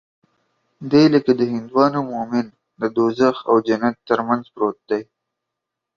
دى لکه د هندوانو مومن د دوږخ او جنت تر منځ پروت دى.